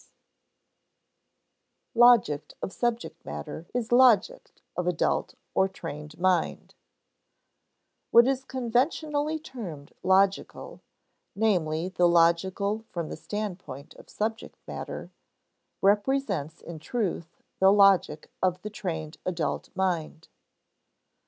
[Sidenote: Logic of subject matter is logic of adult or trained mind] What is conventionally termed logical (namely, the logical from the standpoint of subject matter) represents in truth the logic of the trained adult mind.